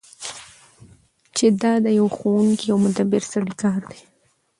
چی دا د یو لارښوونکی او مدبر سړی کار دی.